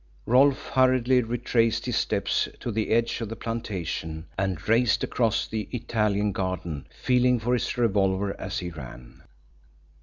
Rolfe hurriedly retraced his steps to the edge of the plantation, and raced across the Italian garden, feeling for his revolver as he ran.